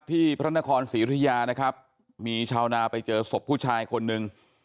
พระนครศรีอุทยานะครับมีชาวนาไปเจอศพผู้ชายคนหนึ่ง